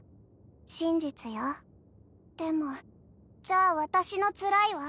真実よでもじゃあ私のつらいは？